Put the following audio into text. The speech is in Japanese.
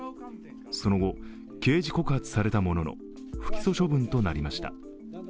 その後、刑事告発されたものの不起訴処分となりました。